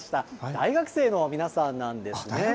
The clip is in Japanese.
大学生の皆さんなんですね。